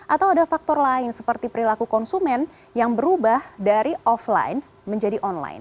atau ada faktor lain seperti perilaku konsumen yang berubah dari offline menjadi online